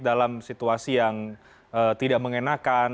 dalam situasi yang tidak mengenakan